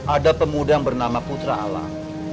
ada pemuda yang bernama putra alam